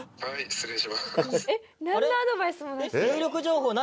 失礼します。